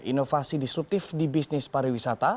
inovasi disruptif di bisnis pariwisata